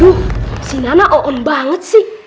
bu si nana oon banget sih